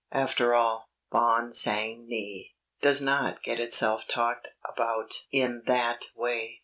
After all "Bon sang ne" does not get itself talked about in that way.